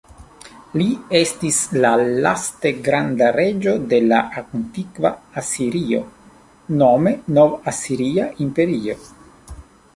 Li estis la laste granda reĝo de antikva Asirio, nome Nov-Asiria Imperio.